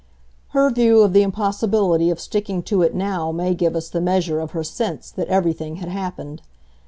Her view of the impossibility of sticking to it now may give us the measure of her sense that everything had happened.